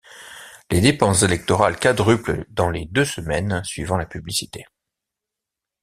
Les dépenses électorales quadruplent dans les deux semaines suivant la publicité.